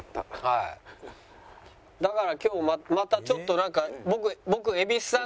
だから今日またちょっとなんか僕。